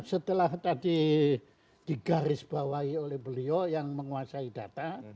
setelah tadi digarisbawahi oleh beliau yang menguasai data